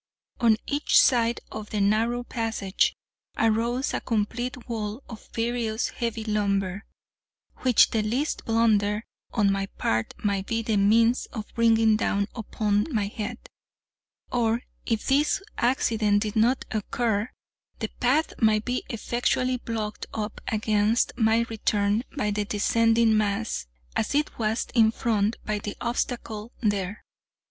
On each side of the narrow passage arose a complete wall of various heavy lumber, which the least blunder on my part might be the means of bringing down upon my head; or, if this accident did not occur, the path might be effectually blocked up against my return by the descending mass, as it was in front by the obstacle there.